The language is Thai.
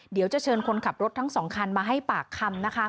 เดี๋ยวจะเชิญคนขับรถทั้งสองคันมาให้ปากคำนะคะ